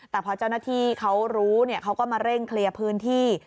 แต่พอเจ้าหน้าที่เขารู้เขาก็มาเร่งเคลียร์พื้นที่